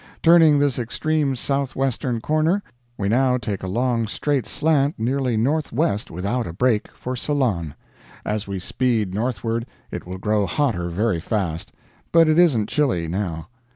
Turning this extreme southwestern corner, we now take a long straight slant nearly N. W., without a break, for Ceylon. As we speed northward it will grow hotter very fast but it isn't chilly, now.